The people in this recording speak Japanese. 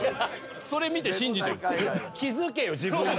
それ見て信じてるんです。